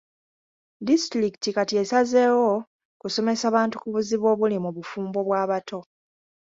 Disitulikiti kati esazeewo kusomesa bantu ku buzibu obuli mu bufumbo bw'abato.